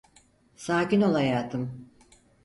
Sakin ol hayatım.